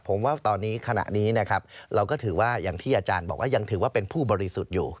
ผมว่าตอนนี้ขณะนี้นะครับเราก็ถือว่าอย่างที่อาจารย์บอกว่ายังถือว่าเป็นผู้บริสุทธิ์อยู่